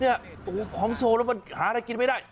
โอ้โหของโซแล้วมันหาอะไรกินไม่ได้